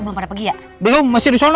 belum ada pergi ya belum masih ada